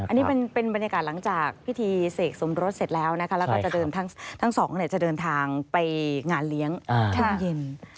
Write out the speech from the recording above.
อันนี้เป็นบรรยากาศหลังจากพิธีเสกสมรสเสร็จแล้วนะคะแล้วก็จะเดินทั้งสองจะเดินทางไปงานเลี้ยงช่วงเย็น